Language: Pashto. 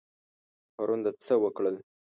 پرون د څه وکړل؟